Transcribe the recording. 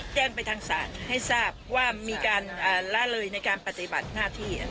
แจ้งไปทางศาลให้ทราบว่ามีการละเลยในการปฏิบัติหน้าที่